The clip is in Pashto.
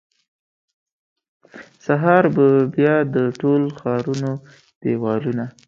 سهار به بیا د ټول ښارونو دیوالونه،